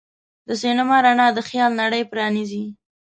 د سینما رڼا د خیال نړۍ پرانیزي.